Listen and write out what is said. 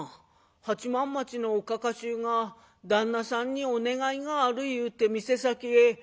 八幡町のおかか衆が旦那さんにお願いがある言うて店先へ」。